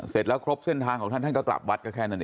เสร็จแล้วครบเส้นทางของท่านท่านก็กลับวัดก็แค่นั้นเอง